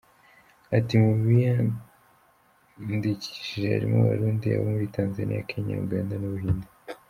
Ati “Mu biyandikishije harimo Abarundi, abo muri Tanzania, Kenya, Uganda n’u Buhinde.